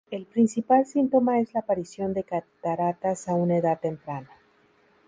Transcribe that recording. El principal síntoma es la aparición de cataratas a una edad temprana.